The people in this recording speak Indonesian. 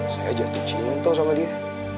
saya jatuh cinta sama dia